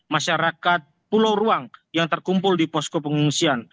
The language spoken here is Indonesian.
masyarakat pulau ruang yang terkumpul di posko pengungsian